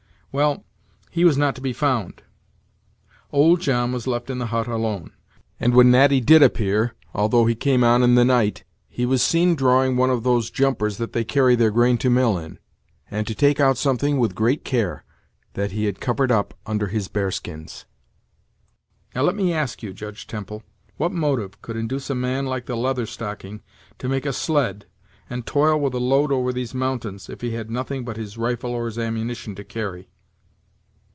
Well, he was not to be found. Old John was left in the hut alone, and when Natty did appear, although he came on in the night, he was seen drawing one of those jumpers that they carry their grain to mill in, and to take out something with great care, that he had covered up under his bear skins. Now let me ask you, Judge Temple, what motive could induce a man like the Leather Stocking to make a sled, and toil with a load over these mountains, if he had nothing but his rifle or his ammunition to carry?"